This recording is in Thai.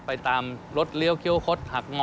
ไปตามรถลีอะกิ้วควทหักงอ